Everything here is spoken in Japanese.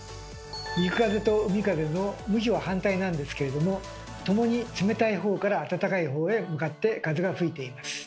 陸風と海風の向きは反対なんですけれども共に冷たいほうからあたたかいほうへ向かって風が吹いています。